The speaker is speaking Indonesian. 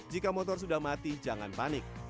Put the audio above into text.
jika motor sudah mati jangan panik